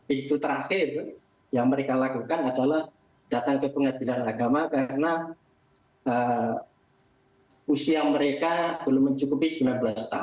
itu terakhir yang mereka lakukan adalah datang ke pengadilan agama karena usia mereka belum mencukupi sembilan belas tahun